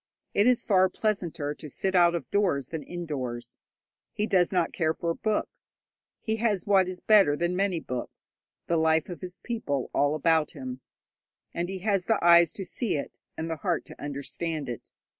It is far pleasanter to sit out of doors than indoors. He does not care for books. He has what is better than many books the life of his people all about him, and he has the eyes to see it and the heart to understand it.